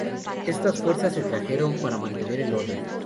Estas fuerzas se trajeron para mantener el orden.